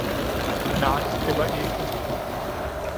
nej det var ækelt!